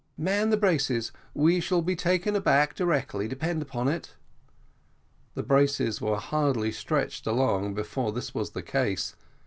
"Man the braces. We shall be taken aback directly, depend upon it." The braces were hardly stretched along before this was the case.